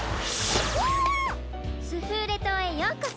スフーレ島へようこそ。